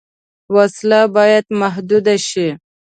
وسله باید محدود شي